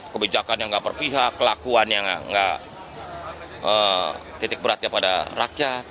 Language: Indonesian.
kebijakan yang gak berpihak kelakuannya gak gak titik beratnya pada rakyat